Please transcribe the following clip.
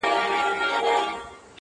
گراني په تاڅه وسول ولي ولاړې ـ